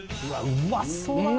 うまっそうだな・